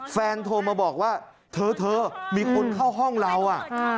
โทรมาบอกว่าเธอมีคนเข้าห้องเรา